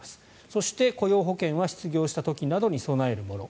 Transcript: そして雇用保険は失業した時などに備えるもの